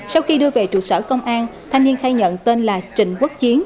sau khi đưa về trụ sở công an thanh niên khai nhận tên là trịnh quốc chiến